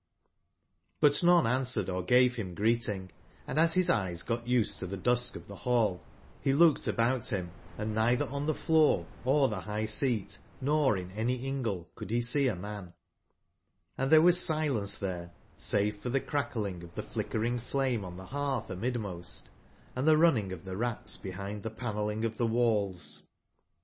'' Crc none answered or gave bim greet ^ ing; and as bis eyes got used to tbc ( dusk of tbe ball, be looked about bim, & ncitber on tbe floor or tbe bigb seat nor in any ingle could be see a man ; and tberewas silence tbere, savefor tbe cracklingof tbe flickering flameon tbe beartb amid most, and tbe running of tbe rats bebind tbe panel/ ling of tbewallsj!?